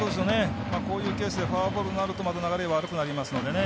こういうケースでフォアボールになるとまた流れ悪くなりますのでね。